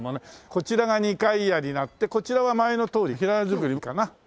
こちらが２階屋になってこちらは前のとおり平屋造りかな？